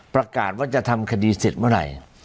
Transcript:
ประกาศว่าจะทำคดีเสร็จเมื่อไหร่